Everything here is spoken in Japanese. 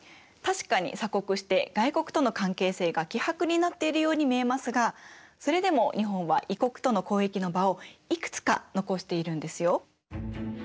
確かに鎖国して外国との関係性が希薄になっているように見えますがそれでも日本は異国との交易の場をいくつか残しているんですよ。